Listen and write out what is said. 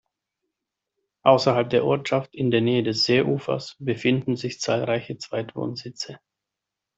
Außerhalb der Ortschaft in der Nähe des Seeufers befinden sich zahlreiche Zweitwohnsitze.